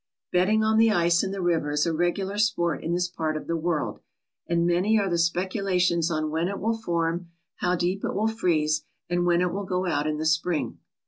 Betting on the ice in the river is a regular sport in this part of the world and many are the speculations on when it will form, how deep it will freeze, and when it will go out in the spring.